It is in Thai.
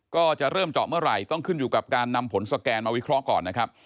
ก็จะเริ่มเจาะเมื่อไหร่ต้องขึ้นอยู่กับการนำผลสแกนมาวิเคราะห์ก่อนนะครับ